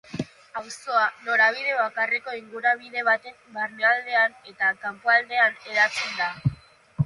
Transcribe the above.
Auzoa norabide bakarreko ingurabide baten barnealdean eta kanpoaldean hedatzen da.